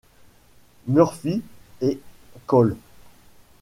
Murphy et coll.